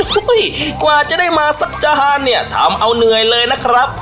กว่าจะได้มาสักจานเนี่ยทำเอาเหนื่อยเลยนะครับ